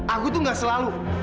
aku tuh nggak selalu